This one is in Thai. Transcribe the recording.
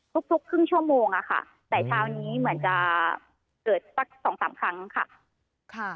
ทุกครึ่งชั่วโมงอะค่ะแต่เช้านี้เหมือนจะเกิดสักสองสามครั้งค่ะ